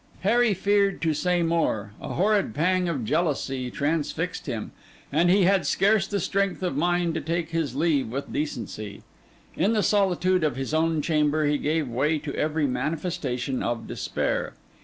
Harry feared to say more; a horrid pang of jealousy transfixed him; and he had scarce the strength of mind to take his leave with decency. In the solitude of his own chamber, he gave way to every manifestation of despair.